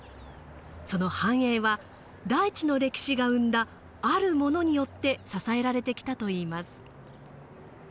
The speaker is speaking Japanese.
その繁栄は大地の歴史が生んだあるものによって支えられてきたといいます。